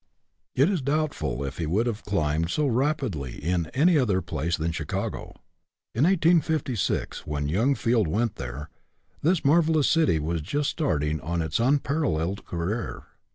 It is doubtful if he would have climbed so rapidly in any other place than Chicago. In 1856, when young Field went there, this mar velous city was just starting on its unpar alleled career.